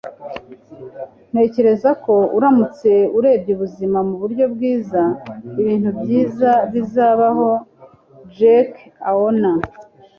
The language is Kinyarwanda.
ntekereza ko uramutse urebye ubuzima mu buryo bwiza, ibintu byiza bizabaho. - jake owen